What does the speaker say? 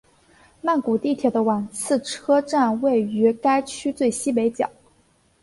曼谷地铁的挽赐车站位于该区最西北角。